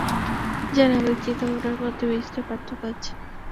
জানি, আমাদের চিন্তাভাবনার মধ্যে বিস্তর পার্থক্য আছে।